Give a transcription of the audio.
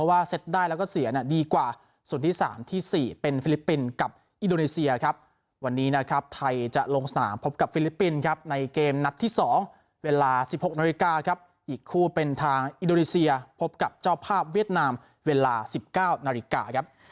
เวลา๑๖นาทีการ่ะครับอีกคู่เป็นทางอินโดรีเซียพบกับเจ้าภาพเวียดนามเวลา๑๙นาทีการ่ะครับ